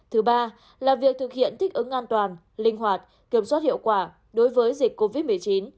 thứ ba là việc thực hiện thích ứng an toàn linh hoạt kiểm soát hiệu quả đối với dịch covid một mươi chín